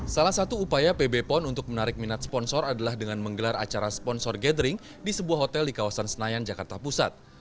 salah satu upaya pb pon untuk menarik minat sponsor adalah dengan menggelar acara sponsor gathering di sebuah hotel di kawasan senayan jakarta pusat